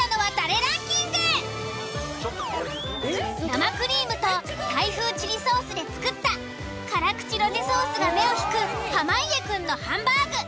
生クリームとタイ風チリソースで作った辛口ロゼソースが目を引く濱家くんのハンバーグ。